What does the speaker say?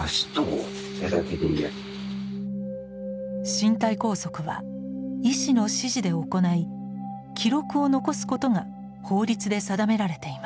身体拘束は医師の指示で行い記録を残すことが法律で定められています。